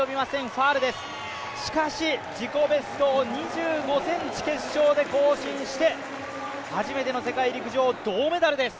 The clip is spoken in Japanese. ファウルです、しかし自己ベストを２５ｃｍ、決勝で更新して、初めての世界陸上、銅メダルです。